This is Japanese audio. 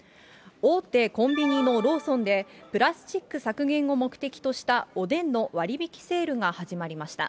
大手コンビニのローソンで、プラスチック削減を目的とした、おでんの割引セールが始まりました。